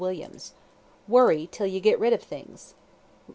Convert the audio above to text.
WORRY TILL YOU GET RID OF THINGS.